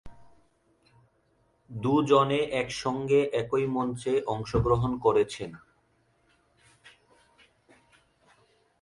দুজনে এক সঙ্গে একই মঞ্চে অংশগ্রহণ করেছেন।